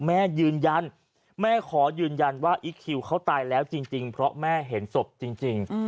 แม่ยืนยันแม่ขอยืนยันว่าอีคคิวเขาตายแล้วจริงเพราะแม่เห็นศพจริง